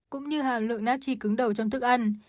cũng như hàm lượng natchi cứng đầu trong thức ăn